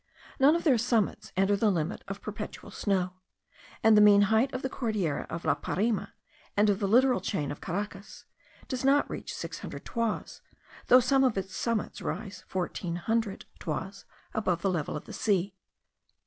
None of their summits enter the limit of perpetual snow; and the mean height of the Cordillera of La Parime, and of the littoral chain of Caracas, does not reach six hundred toises, though some of its summits rise fourteen hundred toises above the level of the sea.